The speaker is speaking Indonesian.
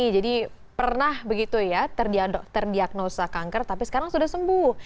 jadi pernah begitu ya terdiagnosa kanker tapi sekarang sudah sembuh